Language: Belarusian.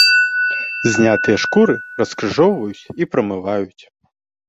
Знятыя шкуры раскрыжоўваюць і прамываюць.